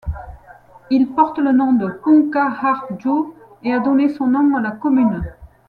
Il porte le nom de Punkaharju et a donné son nom à la commune.